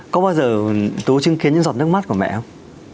có bao giờ tú chứng kiến những giọt nước mắt của mẹ không